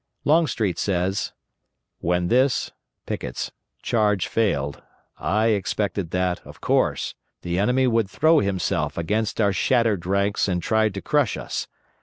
Longstreet says, "When this (Pickett's) charge failed, I expected that, of course, the enemy would throw himself against our shattered ranks and try to crush us.